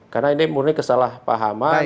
karena ini murni kesalahpahaman